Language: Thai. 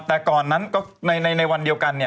แต่ก่อนนั้นก็ในวันเดียวกัน